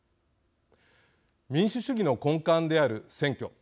民主主義の根幹である選挙。